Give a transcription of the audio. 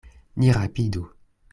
Ni rapidu.